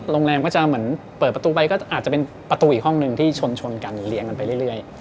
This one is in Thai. โรงแรมก็จะเหมือนเปิดประตูไปก็อาจจะเป็นประตูอีกห้องหนึ่งที่ชนกันเรียงกันไปเรื่อย